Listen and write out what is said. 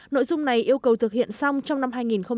nội dung này yêu cầu thực hiện xong trong năm hai nghìn một mươi chín